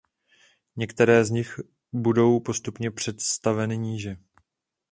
Některé z nich budou postupně představeny níže.